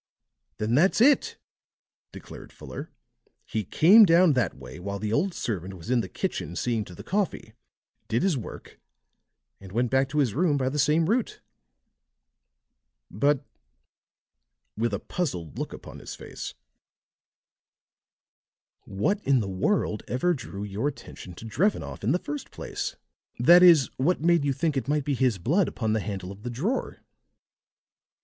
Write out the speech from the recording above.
"Then that's it," declared Fuller. "He came down that way while the old servant was in the kitchen seeing to the coffee, did his work and went back to his room by the same route. But," with a puzzled look upon his face, "what in the world ever drew your attention to Drevenoff in the first place that is, what made you think it might be his blood upon the handle of the drawer?"